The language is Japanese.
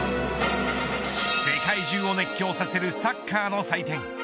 世界中を熱狂させるサッカーの祭典ＦＩＦＡ